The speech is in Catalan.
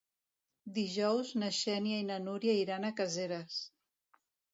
Dijous na Xènia i na Núria iran a Caseres.